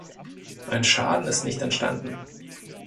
Ein Schaden ist nicht entstanden.